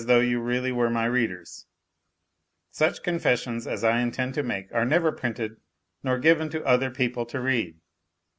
though you really were my readers ? Such confessions as I intend to make are never printed nor given to other people to read.